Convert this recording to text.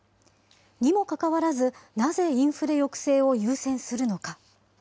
にもかかわらず、なぜインフレ抑制を優先するのか。